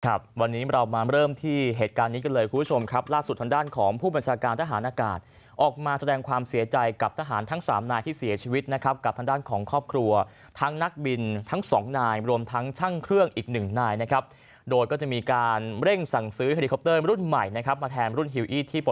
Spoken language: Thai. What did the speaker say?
ครับวันนี้เรามาเริ่มที่เหตุการณ์นี้กันเลยคุณผู้ชมครับล่าสุดทางด้านของผู้บัญชาการทหารอากาศออกมาแสดงความเสียใจกับทหารทั้งสามนายที่เสียชีวิตนะครับกับทางด้านของครอบครัวทั้งนักบินทั้งสองนายรวมทั้งช่างเครื่องอีกหนึ่งนายนะครับโดยก็จะมีการเร่งสั่งซื้อเฮลิคอปเตอร์รุ่นใหม่นะครับมาแทนรุ่นฮิวอี้ที่ป